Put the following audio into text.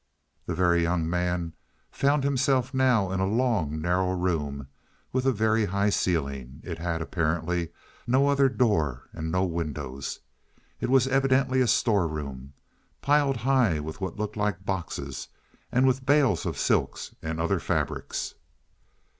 The Very Young Man found himself now in a long, narrow room with a very high ceiling. It had, apparently, no other door, and no windows. It was evidently a storeroom piled high with what looked like boxes, and with bales of silks and other fabrics.